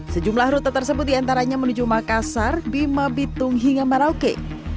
sejumlah rute tersebut diantaranya menuju makassar bima bitung hingga merauke